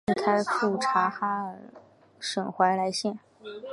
八月奉令开赴察哈尔省怀来县。